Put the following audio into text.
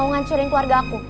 mau ngancurin keluarga aku